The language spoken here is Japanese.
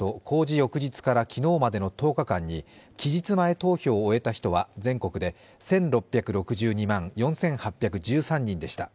翌日から昨日までの１０日間に期日前投票を終えた人は全国で１６６２万４８１３人でした。